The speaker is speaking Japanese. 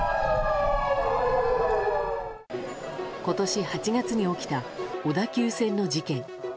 今年８月に起きた小田急線の事件。